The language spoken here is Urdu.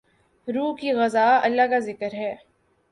روح کی غذا اللہ کا ذکر ہے۔